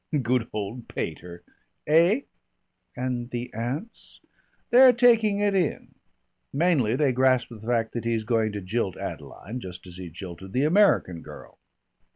Good old pater. Eh?" "And the aunts?" "They're taking it in. Mainly they grasp the fact that he's going to jilt Adeline, just as he jilted the American girl.